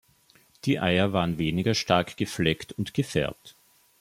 Die Eier waren weniger stark gefleckt und gefärbt.